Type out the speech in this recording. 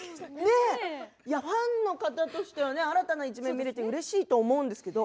ファンの人としては新たな一面でうれしいと思うんですけど。